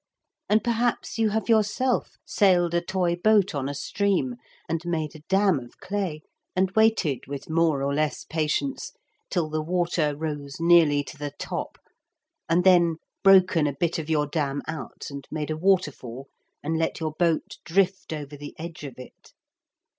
And perhaps you have yourself sailed a toy boat on a stream, and made a dam of clay, and waited with more or less patience till the water rose nearly to the top, and then broken a bit of your dam out and made a waterfall and let your boat drift over the edge of it.